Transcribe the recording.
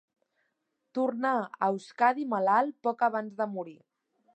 Tornà a Euskadi malalt, poc abans de morir.